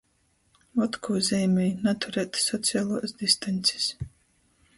Vot kū zeimej - naturēt socialuos distaņcis...